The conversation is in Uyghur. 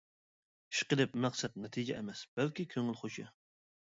ئىشقىلىپ مەقسەت نەتىجە ئەمەس بەلكى كۆڭۈل خۇشى.